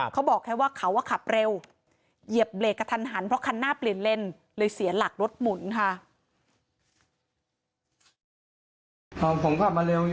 เขาบอกแค่ว่าเขาขับเร็วเหยียบเบรกกระทันหันเพราะคันหน้าเปลี่ยนเลนเลยเสียหลักรถหมุนค่ะ